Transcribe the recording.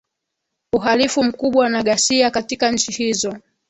uhalifu mkubwa na ghasia katika nchi hizo